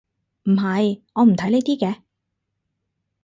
唔係，我唔睇呢啲嘅